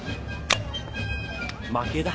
負けだ。